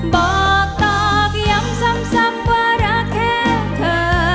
บอกตอบย้ำซ้ำว่ารักแค่เธอ